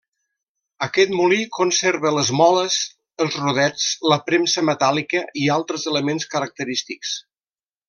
Aquest molí conserva les moles, els rodets, la premsa metàl·lica i altres elements característics.